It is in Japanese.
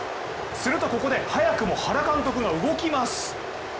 すると、ここで早くも原監督が動きます。